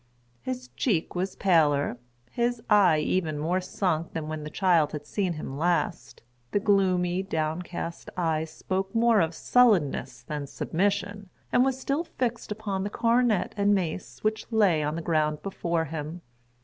His cheek was paler—his eye even more sunk than when the child had seen him last. The gloomy, downcast eye spoke more of sullenness than submission, and was still fixed upon the coronet and mace, which lay[Pg 26] on the ground before him.